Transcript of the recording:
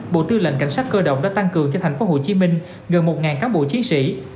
bộ tư lệnh cảnh sát cơ động đã tăng cường cho tp hcm gần một cán bộ chiến sĩ